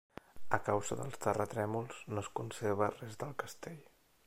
A causa dels terratrèmols no es conserva res del castell.